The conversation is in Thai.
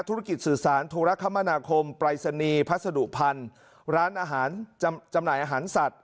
ธุรกิจสื่อสารธุรคมนาคมปรายศนีย์พัสดุพันธุ์ร้านอาหารจำหน่ายอาหารสัตว